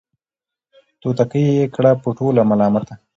توتکۍ یې کړه په ټولو ملامته